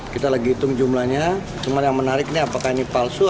kita lagi hitung jumlahnya cuma yang menarik ini apakah ini palsu